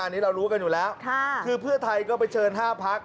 อันนี้เรารู้กันอยู่แล้วคือเพื่อไทยก็ไปเชิญ๕พัก